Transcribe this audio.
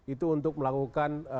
itu untuk melakukan